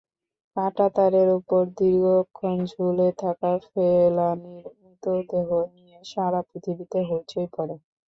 কাঁটাতারের ওপর দীর্ঘক্ষণ ঝুলে থাকা ফেলানীর মৃতদেহ নিয়ে সারা পৃথিবীতে হইচই পড়ে।